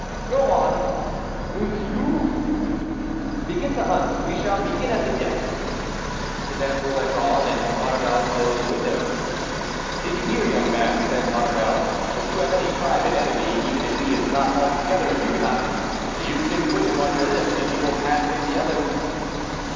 "Go on!" "Unt you?" "Begin the hunt; we shall be at the death." De Besme went on, and Maurevel closed the window. "Did you hear, young man?" said Maurevel; "if you have any private enemy, even if he is not altogether a Huguenot, you can put him on your list, and he will pass with the others."